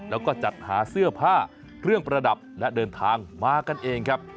แล้วก็จัดหาเสื้อผ้าเครื่องประดับและเดินทางมากันเองครับ